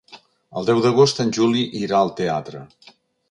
El deu d'agost en Juli irà al teatre.